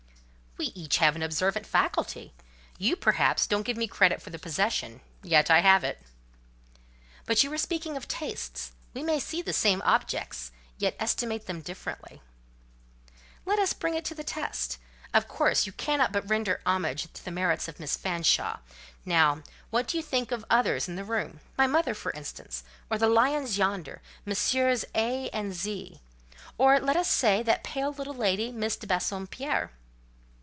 "We each have an observant faculty. You, perhaps, don't give me credit for the possession; yet I have it." "But you were speaking of tastes: we may see the same objects, yet estimate them differently?" "Let us bring it to the test. Of course, you cannot but render homage to the merits of Miss Fanshawe: now, what do you think of others in the room?—my mother, for instance; or the lions yonder, Messieurs A—— and Z——; or, let us say, that pale little lady, Miss de Bassompierre?"